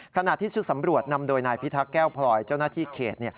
ขณะที่ชุดสำรวจนำโดยนายพิทักษ์แก้วพลอยเจ้าหน้าที่เขต